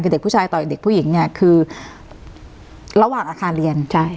คือเด็กผู้ชายต่อยเด็กผู้หญิงเนี่ยคือระหว่างอาคารเรียนใช่